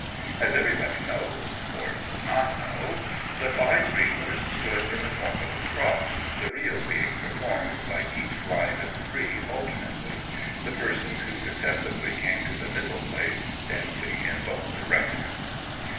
As everybody knows, or does not know, the five reelers stood in the form of a cross, the reel being performed by each line of three alternately, the persons who successively came to the middle place dancing in both directions.